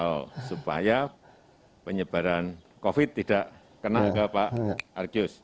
oh supaya penyebaran covid sembilan belas tidak kena ke pak argyus